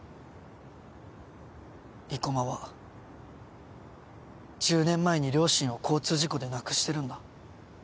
生駒は１０年前に両親を交通事故で亡くしてるんだ。